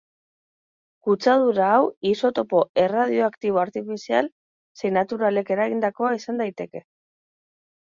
Kutsadura hau isotopo erradioaktibo artifizial zein naturalek eragindakoa izan daiteke.